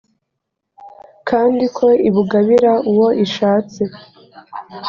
kandi ko ibugabira uwo ishatse